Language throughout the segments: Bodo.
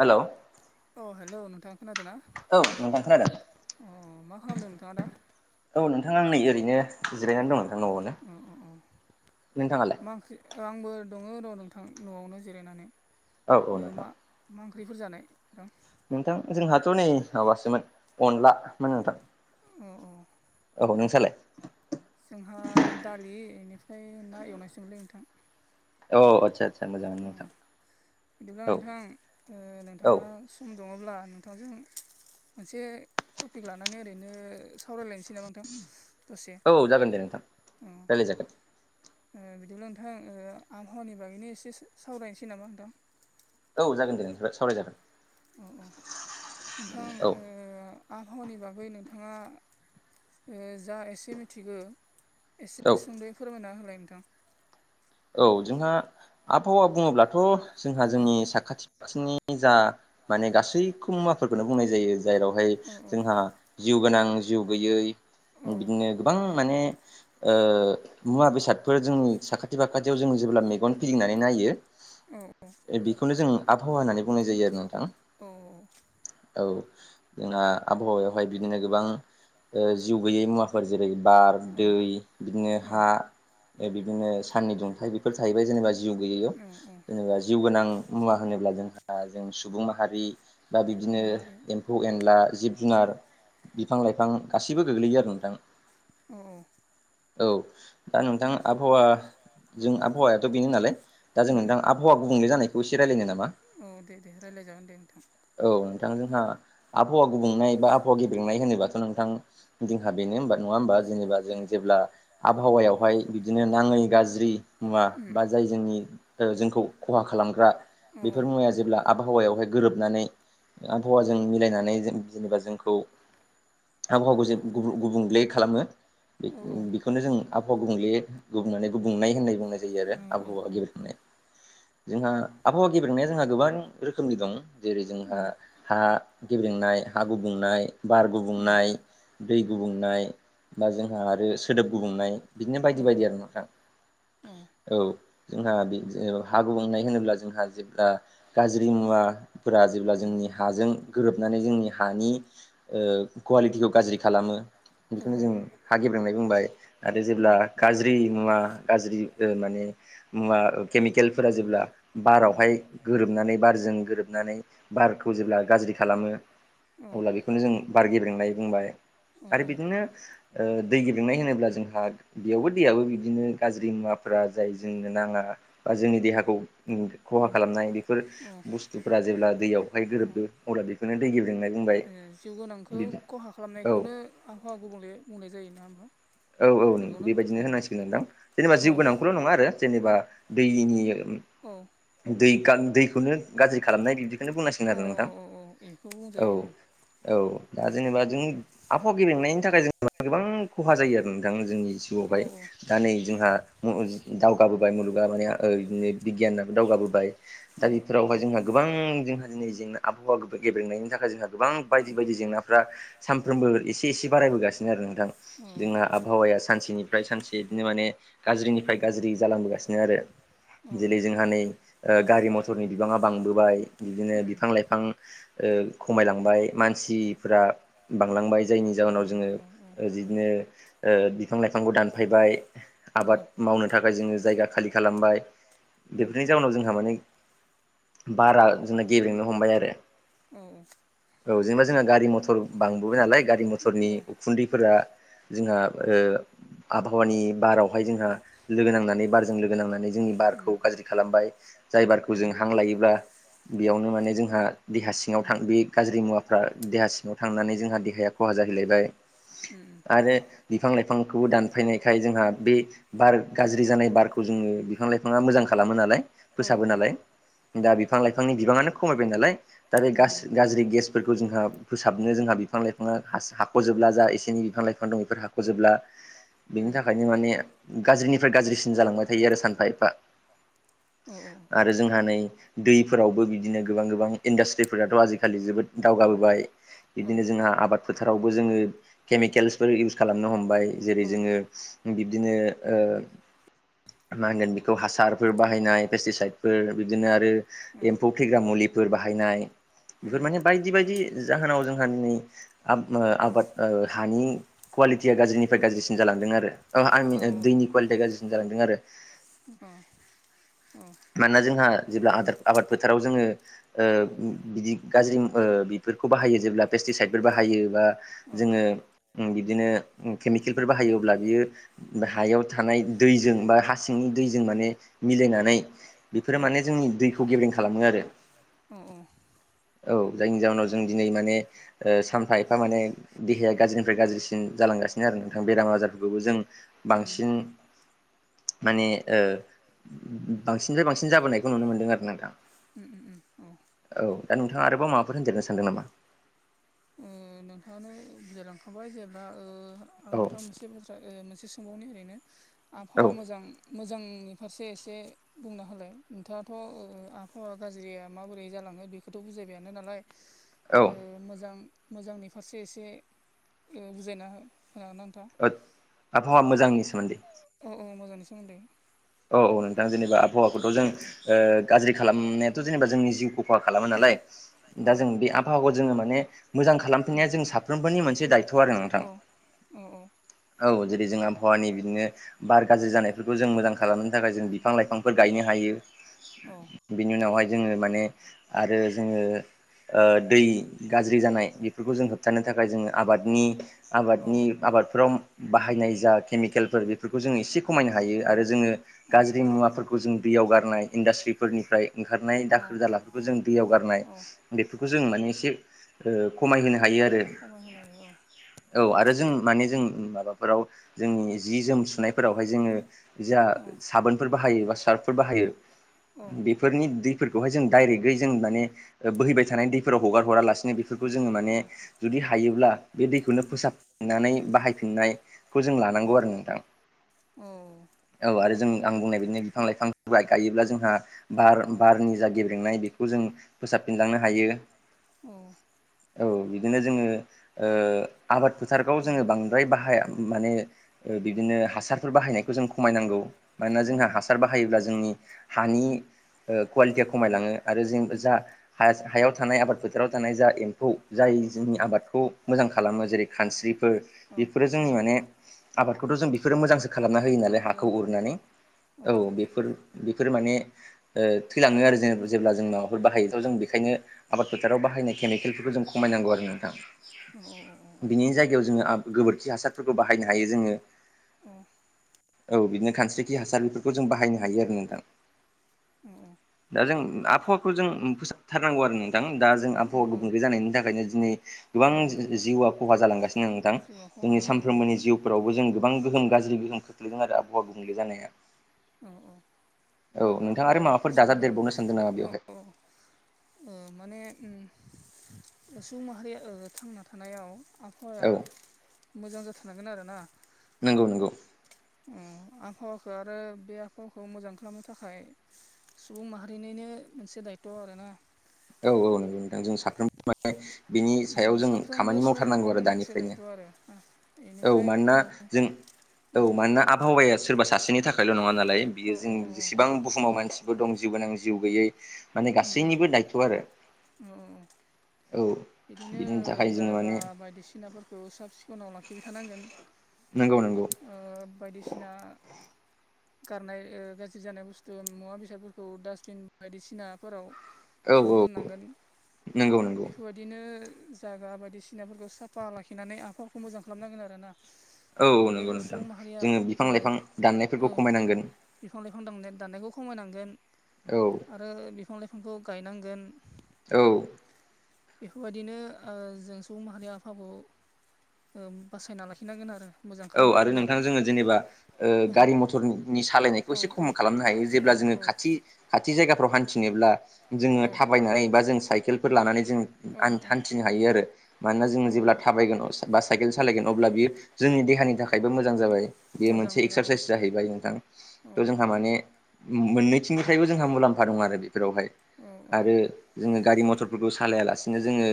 हेलौ हेलो अ हेलौ नोंथाङा खोनादों ना औ नोंथां खोनादों अ मा खालामदों नोंथाङा दा? औ नोंथाङा आं नै ओरैनो जिरायनानै दङ। उम उम उम नोंथाङालाय मा ओंख्रि? आंबो दङ र' नोंथां न'आवनो जिरायनानै औ औ नोंथां मा मा ओंख्रिफोर जानाय नोंथां? नोंथां जोंहाथ' नै माबासोमोन अनला मोन नोंथां। अ औ औ नोंसालाय? जोंहा दालि बेनिफ्राय ना एवनायसैमोनलै नोंथां औ आदसा आदसा मोजाङानो अ नोंथां। बिदिब्ला औ नोंथां ओ औ नोंथाङा सम दङब्ला नोंथांजों मोनसे टपिक लानानै ओरैनो सावरायलायनोसै नामा नोंथां दसे औ जागोन दे नोंथां औ रायलायजागोन ओ बिदिब्ला नोंथां आबहावानि बागैनो एसे सावरायनोसै नामा नोंथां? औ जागोन दे सावराय जागोन अ अ नोंथां ओ औ आबहावानि बागै नोंथाङा ओ जा एसे मिथिगो एसे औ सुंदै फोरमायना होलाय नोंथां? औ जोंहा आबहावा बुङोब्लाथ' जोंहा औ जोंनि साखाथि फाखथिनि जा माने गासैखौ मुवाफोरखौनो बुंनाय जायो जेरावहाय औ जोंहा जिउ गोनां जिउ गैयै औ बिदिनो गोबां माने ओ मुवा बेसादफोर जोंनि साखाथि साखाथि फाखाथियाव जोङो जेब्ला मेगन फिदिंनानै नायो औ बेखौनो जों आबहावा होननानै बुंनाय जायो आरो नोंथां औ औ जोंना आबहावायावहाय बिदिनो गोबां ओ जिउ गैयै मुवा जेरै बार औ दै बिदिनो औ हा [unintelligible] बिदिनो साननि दुंथाइ बेफोर थाहैबाय जेनेबा जिउ गैयैयाव औ औ जेनेबा जिउ गोनां मुवा होनोब्ला जोंहा जों सुबुं माहारि बा सुबुं बिब्दिनो माहारि एम्फौ एनला जिब जुनार बिफां लाइफां गाैबो गोग्लैयो आरो नोंथां औ औ औ दा नोंथां आबहावा जों आबहावायाथ' बेनो नालाय दा जों उम नोंथां आबहावा गुबुंले जानायखौ एसे रायलायनो नामा? औ दे दे रायज्लाय जागोन दे नोंथां। औ नोंथां जोंहा आबहावा गुबुंनाय बा आबहावा गेबेंनाय होनोबाथ' नोंथां जोंहा बेनो होनबा नङा होमबा? जेनेबा जों औ जेब्ला आबहावायावहाय बिदिनो नाङै गाज्रि मुवा उम बा जाय जोंनि ओ जोंखौ खहा खालामग्रा औ बेफोर मुवाया जेब्ला आबहावायावहाय गोरोबनानै आबहावाजों मिलायनानै जेन जेनेबा जोंखौ आबहावाखौ जेन गुबुं गुबुंले खालामो बे औ बेखौनो जों आबहावा गुबुंले गुबुंनानै गुबुंनाय होननाय बुंनाय जायो आरो औ आबहावा औ गेब्रेंनाय जोंहा आबहावा गेब्रेंनाया जोंहा गोबां रोखोमनि दं जेरै जोंहा उम हा गेब्रेंनाय हा गुबुंनाय बार उम गुबुंनाय। दै गुबुंनाय बा जोंहा आरो सोदोब गुबुंनाय बिदिनो औ बायदि बायदि आरो नोंथां। औ जोंहा बि जेनेबा हा गुबुंनाय होनोब्ला जोंहा जेब्ला गाज्रि मुवाफोरा जेब्ला औ जोंनि हाजों गोरोबनानै जोंनि हानि ओ कवालिटिखौ गाज्रि खालामो। बेखौनो जों हा गेब्रेंनाय बुंबाय आरो जेब्ला उम गाज्रि मुवा गाज्रि ओ माने मुवा ओ केमिकेलफोरा जेब्ला उम बारावहाय गोरोबनानै बारजों गोरोबनानै बारखौ जेब्ला गाज्रि खालामो अब्ला बेखौनो जों बार गेब्रेंनाय बुंबाय। औ आरो औ औ बिदिनो ओ दै गेबेंनाय होनोब्ला जोंहा बेयावबो दैयाबो बिदिनो गाज्रि मुवाफोरा जाय जोंनो नाङा बा ओ-जोंनि देहाखौ उम औ खहा खालामनाय बेफोर औ बुस्थुफ्रा जेब्ला दैयावहाय गोरोबदो अब्ला बेखौनो दै गेब्रेंनाय बुंबाय। ओ जिउ गोनांखौ बिदि खहा औ खालामनायखौनो आबहावा गुबुंले बुंनाय जायो नङा होमबा? औ औ नंगौ नंगौना औ बेबायदिनो होनांसिगोन नोंदां। जेनेबा औ जिउ गोनांखौल' नङा आरो जेनेबा दैनि उम अ दै गान दैखौनो गाज्रि खालामनाय बिदि अ अ अ इखौ बुंजायो औ। औ दा जेनेबा जों आबहावा गेबेंनायनि थाखाय जेबा गोबां खहा जायो आरो नोंथां जोंनि औ जिउआवहाय दा नै जोंहा मुहुन दावगाबोबाय मुलुगा माने आ ओय इदिनो बिगियान दावगाबोबाय दा औ बेफोरावहाय जोंहा गोबां जोंहा दिनै जेंना आबहावा गोबार गबेंनायनि थाखाय जोंहा गोबां बायदि बायदि जेंनाफ्रा सानफ्रोमबो एसे एसे बारायबोगासिनो आरो नोंथां। जोंना आबहावाया सानसेनिफ्राय सानसे बिदिनो माने गाज्रिनिफ्राय गाज्रि जालांबोगासिनो आरो। अ अ। जेरै जोंहा नै ओ- गारि मथरनि बिबाङा बांबोबाय इदिनो उम बिफां लाइफां ओ खमायलांबाय मानसिफोरा बांलांबाय जायनि जाहोनाव जोङो। बांलांबाय औ औ ओजिदनो ओ बिफां लाइफांखौ दानफायबाय। आबाद मावनो थाखाय जोङो जायगा खालि खालामबाय। औ बेफोरनि जाउनाव जोंहा माने बारा जोंना गेब्रेंनो हमबाय आरो। अ अ। औ जेनेबा जोंङा गारि मथर बांबोबाय नालाय गारि मथरनि उखुन्दैफोरा जोंहा ओ आबहावानि बारावहाय जोंहा लोगो नांनानै बारजों लोगो नांनानै जोंनि बारख खौ गाज्रि खालामबाय जाय बारखौ जों हां लायोब्ला बेयावनो माने जोंहा देहा सिङाव उम थां बे गाज्रि मुवाफ्रा देहा सिङाव थांनानै जोंहा देहाया खहा जाहैलायबाय। [unintelligible] आरो बिफां लाइफांखौबो दानफायनायखाय जोंहा बे बार गाज्रि जानाय बारखौ जोङो बिफां लाइफाङा मोजां खालामो नालाय औ फोसाबो नालाय। दा बिफां लाइफांनि बिबाङानो खमायबाय नालाय। दा बे उम गास-गाज्रि गेसफोरखौ जोंहा फोसाबनो जोंहा बिफां लाइफाङा हास-हाख'जोबब्ला जा एसे एनि बिफां लाइफां फां दं बेफोर हाख जोबला। बिनि थाखायनो माने गाज्रिनिफ्राय गाज्रिसिन जालांबाय थायो आरो सानफा एफा। औ आरो जोंहा नै दैफोरावबो बिदिनो गोबां गोबां इन्डासट्रिफोराथ' आजिखालि जोबोद औ दावगाबोबाय। उम बिदिनो जोंहा आबाद फोथारावबो जोङो केमिकेल्सफोर इउस खालामनो हमबाय जेरै औ जोङो। बिब्दिनो ओ-मा होनगोन बि खौ हासारफोर बाहायनाय पेस्टिसाइदफोर बिदिनो आरो। एम्फौ फेग्रा मुलिफोर बाहायनाय बेफोर माने बायदि बायदि जाहोनाव जोंहा दिनै आब-आबाद हानि कुवालिटिया गाज्रिनिफ्राय गाज्रिसिन जालांदों आरो आं औ औ दैनि कुवालिटिया गाज्रिसिन जालांदों आरो अ औ मानोना जोंहा जेब्ला आद-आबाद फोथाराव जोङो ओ बिदि गाज्रि ओ बेफोरखौ बाहायो जेब्ला पेस्टिसाइदफोर बाहायो बा औ जोङो बिदिनो केमिकेलफोर बाहायोब्ला बियो हायाव थानाय दैजों बा हा सिंनि दैजों माने मिलायनानै औ बेफोरो माने जोंनि दैखौ गेब्रेें खालामो आरो [unintelligible] औ जायनि जाहोनाव जों दिनै ओ माने सानफा एफा माने देहाया गाज्रिनिफ्राय गाज्रिसिन जालांगासिनो आरो नोंथां बेराम आजारफोरखौबो जों बांसिन माने ओ बांसिननिफ्राय बांसिन जाबोनायखौ नुनो मोनदों आरो ना नोंथां उम उ औ औ दा नोंथाङा आरोबाव माबाफोर होनजेरनो सानदों नामा ओ नोंथाङानो बुजायलांखाबाय जेब्ला ओ आं औ नोंथाङा मोनसे बुस्थु ओ मोनसे सोंबावनि ओरैनो औ आबहावा मोजां मोजांनि फारसे एसे बुंनो हालाय नोंथाङाथ' ओ आबहावा गाज्रिया माबोरै जालाङो बेखौ बेथ' बुजायबायानो नालाय ओ औ मोजां मोजांनि फारसे एसे ओ बुजायना होनो ना नोंथाङा होद आबहावा मोजांनि सोमोन्दै औ औ मोजांनि सोमोन्दै औ औ नोंथां जेनेबा आबहावाखौथ' जों ओ गाज्रि खालामनायाथ' जेनेबा जोंनि जिउखौ खहा खालामो नालाय औ दा जों बे आबहावाखौ जोङो माने मोजां खालामफिनाया उम जोंनि साफ्रोमबोनि मोनसे दायथ' आरो औ नोंथां औ औ जेरै जों आबहावानि बिदिनो बार गाज्रि जानायफोरखौ जों मोजां खालामनो थाखाय जों बिफां लाइफांफोर गायनो हायो औ बिनि उनावहाय जोङो माने आरो जोङो ओ दै गाज्रि जानाय बेफोरखौ जों होबथानो थाखाय जोङो आबादनि औ आबादनि आबादफोराव बाहायनाय जा केमिकेलफोर बेफोरखौ जो एसे खमायनो हायो औ आरो जोङो औ गाज्रि मुवाफोरखौ जों दैयाव गारनाय इन्डास्ट्रिफोरनिफ्राय ओंखारनाय औ दाखोर दालाफोरखौ जों दैयाव गारनाय बेफोरखौ जों माने एसे ओ खमायहोनो हायो आरो [unintelligible] नंऔ औ आरो जों माने जों माबाफोराव जोंनि जि जोम सुनायफोरावहाय जोङो जा औ साबोनफोर बाहायो बा सार्फफोर बाहायो औ बेफोरनि दैफोरखौहाय जों डाइरेक्टयै जों माने बोहैबाय थानाय दैफोराव हगार हरालासिनो बेफोरखौ जोङो माने जुदि हायोब्ला बे दैखौनो फोसाबफिननानै बाहायफिननायखौ जों लानांगौ आरो नोंथां अ औ आरो जों आं बुंनाय बिदिनो बिफां लाइफां गायोब्ला जोंहा बार उम बारनि जा गेब्रेंनाय बेखौ जों फोसाबफिनलांनो हायो औ बिदिनो जोङो ओ आबाद फोथारखौ जोङो बांद्राय बाहाया माने ओ बिदिनो हासारफोर बाहायनायखौ जों खमायनांगौ मानोना औ जोंहा हासार बाहायोब्ला जोंनि हानि ओ कुवालिटिया खमायलाङो आरो जों जा हा हायाव थानाय आबाद फोथाराव थानाय जा एम्फौ जाय जोंनि आबादखौ मोजां खालामो जेरै खानस्रिफोर बेफोरो औ जोंनि औ माने आबादखौथ' जों बेफोर मोजांसो खालामना होयो नालाय मोजां हाखौ खालामो उरनानै औ बेफोर बेफोर माने ओ थैलाङो आरो जे जेब्ला जों माबाफोर बाहायो थ' जों बेखायनो आबाद फोथाराव बाहायनाय केमिकेलफोरखौ जों खमायनांगौ आरो नोंथां अ अ अ बिनि जायगायाव जोङो गोबोरखि हासारफोरखौ बाहायनो हायो जोङो औ बिदिनो खानस्रिखि हासार बेफोरखौ जों बाहायनो हायो आरो नोंथां अ अ दा जों आबहावाखौ जों फोसाबथारनांगौ आरो नोंथां दा जों औ आबहावा गुबुंले जानायनि थाखायनो दिनै गोबां औ औ जिउआ खहा जालांगासिनों नोंथां जिउआ खहा जोंनि जालाङो सानफ्रोमबोनि औ जिउ फोरावबो जों गोबां गोहोम गाज्रि गोहोम खोख्लैदों आरो आबहावा गुबुंले जानाया औ औ औ नोंथाङा आबहावाखौ आरो माबाफोर दाजाब फोसाबनो देरबावनो सानदों नामा औ बेवहाय औ ओ माने ओम सुबुं माहारिया ओ थांना थानायाव आब हाया औ मोजां जाथारनांगोन आरोना नंगौ नंगौ ओ आबहावाखौ आरो बे आबहावाखौ मोजां खालामनो थाखाय सुबुं माहारिनिनो मोनसे दायथ' आरोना औ औ नंगौ नोंथां जों साफ्रोमबो माने बिनि सायाव जों साफ्रोमबो खामानि सुबुं मावथारनांगौ माहारिनो आरो मोनसे दायथ' दानिफ्रायनो आरो ना औ बेनिफ्राय मानोना ओ जों औ उम मानोना आबहावाया सोरबा सासेनि थाखाय बिखायल' नङा नालाय औ बियो औ जों औ जेबां बुहुमाव मानसि दं जिउ गोनां जिउ गैयै माने उम गासैनिबो दायथ' आरो औ औ बिनि ओ थाखाय जोङो जायगा माने बायदिसिनाफोरखौ साब सिखनाव लाखिबाय थानांगोन नंगौ नंगौ ओ बायदिसिना गारनाय गाज्रि जानाय बुस्थु मुवा बेसादफोरखौ डासबिन बायदिसिनाफोराव औ ज' औ दोननांगोन नंगौ नंगौ बेफोरबायदि दिनो जागा बायदिसिनाफोरखौ साफा लाखिनानै आखाफोरखौ मोजां खालामनांगोन आरो ना औ औ बिदिनो नंगौ नोंथां सुबुं माहारिया जोङो बिफां लाइफां दाननायफोरखौ ओ औ खमायनांगोन बिफां लाइफां दा-दांनाय दाननायखौ खमायनांगोन औ आरो बिफां लाइफांखौ गायनांगोन औ बेफोरबायदिनो ओ जों सुबुं माहारि आफाखौ ओ बासायना लाखिनांगोन आरो मोजां औ आरो खालामनांगोन नोंथां जोङो जेनेबा ओ औ गारि मथरनि सालायनायखौ औ एसे खम खालामनो हायो औ जेब्ला जोङो खाथि थि खाथि जायगाफ्राव हान्थिनोब्ला जोङो थाबायनानै बा जों साइकेलफोर लानानै जों औ हान-हानथि थानो हायो आरो मानोना औ जोङो जेब्ला थाबायगोन बा साइकेल सालायगोन अब्ला बियो जोंनि देहानि थाखाय खायबो मोजां जाबाय बेयो मोजां मोनसे मोजां औ एक्सारसाइस जाहैबाय नोंथां औ थ' जोंहा माने मो-मोननैथिंनिफ्रायबो जोंहा मुलाम्फा दं आरो बेफोरावहाय औ आरो जोङो गारि मथरफोरखौ सालायालासिनो जोङो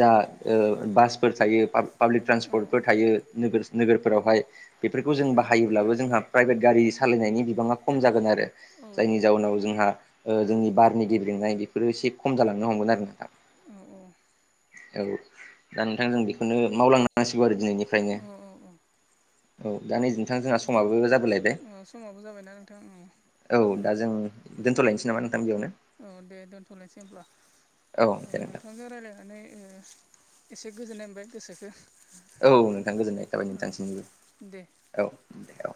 जा ओ बास फोर थायो पाब्लिक ट्रान्सपर्टफोर थायो नोगो-नोगोरफोरावहाय बेफोरखौ जों बाहायोब्लाबो जोंहा प्राइभेट गारि सालायनायनि बिबाङा खम जागोन आरो जायनि जाउनाव जोंहा ओ जोंनि बारनि गेबेरेंनाय बेफोरो एसे खम जालांनो हमगोन आरो नोंथां औ औ औ दा नोंथां जों बेखौनो मावलांनांसिगौ आरो दिनैनि अ अ औ दा नै नोंथां जोंहा समाबो जाबोलायबाय अ समाबो जाबायना नोंथांनि औ औ दा जों दोनथ'लायनोसै नामा नोंथां बेयावनो औ दे दोन्थ'लायसै होमब्ला औ दे ओ नोंथां नोंथांजों रायज्लायनानै ओ एसे गोजोननाय मोनबाय गोसोखो औ नोंथां गोजोननाय थाबाय दे नोंथांसिनिबो औ दे औ